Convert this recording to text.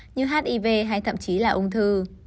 như hiv hay thậm chí là ung thư